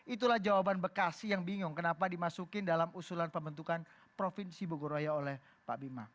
itulah jawaban bekasi yang bingung kenapa dimasukin dalam usulan pembentukan provinsi bogoraya oleh pak bima